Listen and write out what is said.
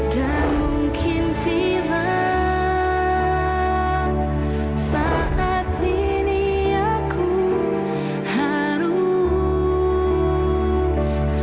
dan mungkin bila saat ini aku harus